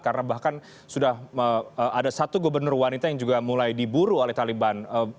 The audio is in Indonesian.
karena bahkan sudah ada satu gubernur wanita yang juga mulai diburu oleh taliban